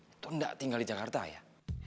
itu tidak tinggal di jakarta ayah